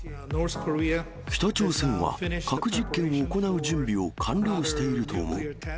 北朝鮮は核実験を行う準備を完了していると思う。